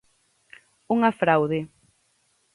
Unha fraude.